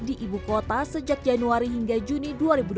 di ibu kota sejak januari hingga juni dua ribu dua puluh